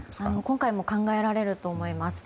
今回も考えられると思います。